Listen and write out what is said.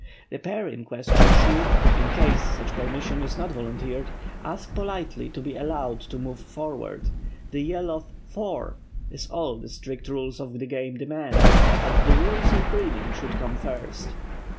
The pair in question should (in case such permission is not volunteered) ask politely to be allowed to move forward. The yell of "Fore!" is all the strict rules of the game demand, but the rules of breeding should come first.